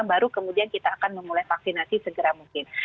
baru kemudian kita akan memulai vaksinasi segera mungkin